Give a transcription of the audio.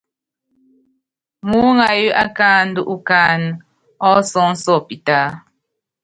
Muúŋayú akáandú ukáánɛ usɔ́ɔ́nsɔ pitaá.